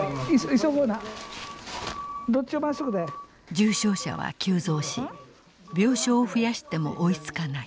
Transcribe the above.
重症者は急増し病床を増やしても追いつかない。